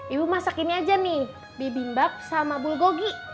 ibu masak ini aja nih bibim bab sama bulgogi